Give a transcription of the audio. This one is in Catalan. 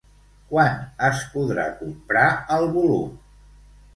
Quan es podrà comprar el volum?